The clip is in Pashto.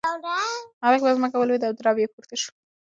هلک په ځمکه ولوېد او درب یې پورته شو.